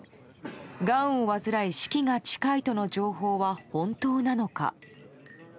がんを患い死期が近いとの情報は本当なのか。